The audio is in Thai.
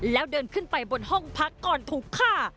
แล้วเดินขึ้นไปบนห้องพักก่อนถูกฆ่า